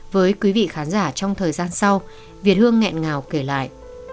với quý vị khán giả trong thời gian sau việt hương nghẹn ngào kể lại